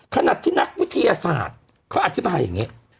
ขนาดที่นักวิทยาศาสตร์เขาอธิบายอย่างนี้